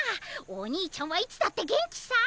おにいちゃんはいつだって元気さ